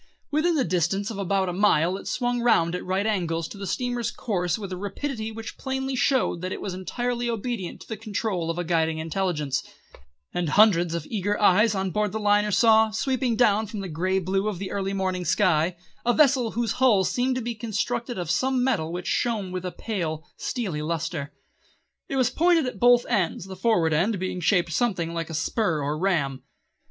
Within the distance of about a mile it swung round at right angles to the steamer's course with a rapidity which plainly showed that it was entirely obedient to the control of a guiding intelligence, and hundreds of eager eyes on board the liner saw, sweeping down from the grey blue of the early morning sky, a vessel whose hull seemed to be constructed of some metal which shone with a pale, steely lustre. It was pointed at both ends, the forward end being shaped something like a spur or ram.